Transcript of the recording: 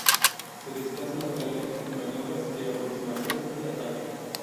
Se desplaza lateralmente en maniobras de aproximación y atraque.